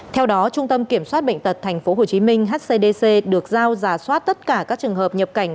theo đó trung tâm kiểm soát bệnh tật tp hcm hcdc được giao giả soát tất cả các trường hợp nhập cảnh